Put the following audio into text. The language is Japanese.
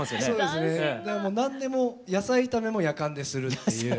でも何でも野菜炒めもやかんでするっていう。